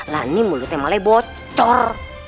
nah ini mulutnya malah bocor